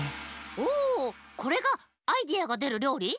おこれがアイデアがでるりょうり？